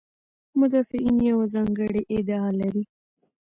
مدافعین یوه ځانګړې ادعا لري.